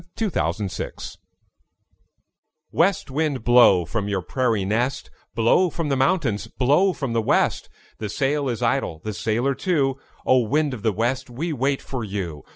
THE SONG MY PADDLE SINGS West wind, blow from your prairie nest, Blow from the mountains, blow from the west. The sail is idle, the sailor too; O! wind of the west, we wait for you.